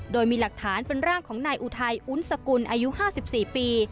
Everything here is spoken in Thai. โดยมีหลักฐานเป็นร่างของนายอุทัยอุ้นสกุลอายุ๕๔ปี